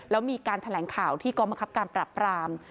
แล้วมีการแถลงข่าวที่กรมคับการปรับปราม